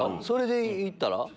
それで言ったら？